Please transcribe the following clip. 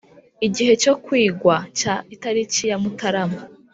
Igice cyo kwigwa cya itariki ya mutarama